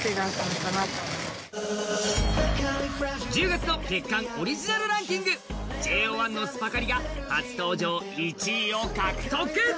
１０月の月刊オリジナルランキング、ＪＯ１の「ＳｕｐｅｒＣａｌｉ」が１位を獲得。